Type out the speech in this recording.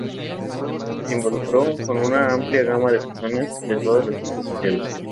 Se involucró con una amplia gama de personas de todas las clases sociales.